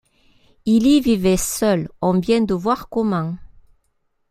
Il y vivait seul, on vient de voir comment.